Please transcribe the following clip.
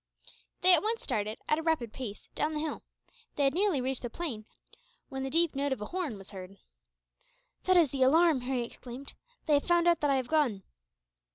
They at once started, at a rapid pace, down the hill. They had nearly reached the plain when the deep note of a horn was heard. "That is the alarm!" Harry exclaimed. "They have found out that I have gone."